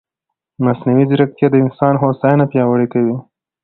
مصنوعي ځیرکتیا د انسان هوساینه پیاوړې کوي.